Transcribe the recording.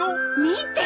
見て！